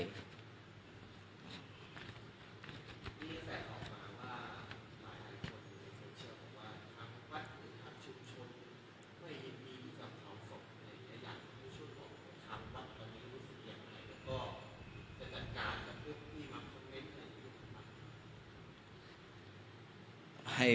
ใช่ครับชุมชนไว้ดีกับเคาะศพแต่ยังจะทำมาตอนนี้วิวสุทธิ์อย่างไร